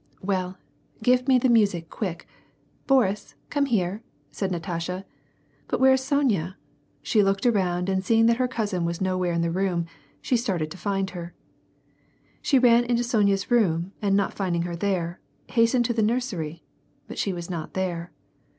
" Well, give me the music, quick ; Boris, come here," said Natasha. " But where is Sonya ?" She looked around and seeing that her cousin was nowhere in the room, she started to find her. She ran into Sonya's room and not finding her there, has tened to the nursery, but she was not there.